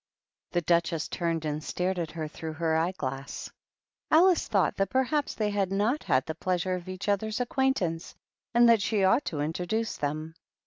The Duchess turned and stared at her through her eye glass. Alice thought that perhaps they had not the pleasure of each other^s acquaintance, and that she ought to introduce them.